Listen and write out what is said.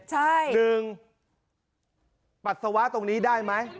ใช่หนึ่งปัสสาวะตรงนี้ได้ไหม